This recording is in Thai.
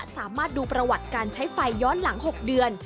สามารถดูประวัติการใช้ไฟย้อนหลัง๖เดือน